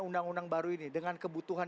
undang undang baru ini dengan kebutuhan